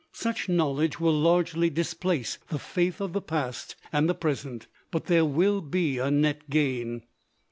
Such knowledge will largely displace the faith of the past and the present, but there will be a net gain.